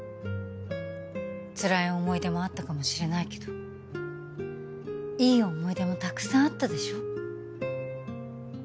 つらい思い出もあったかもしれないけどいい思い出もたくさんあったでしょ？